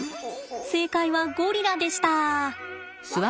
正解はゴリラでした。